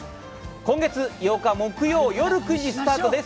今月８日、木曜よる９時スタートです。